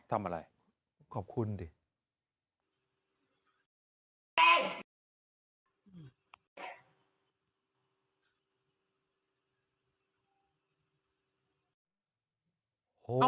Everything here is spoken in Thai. ทำอะไรขอบคุณดิว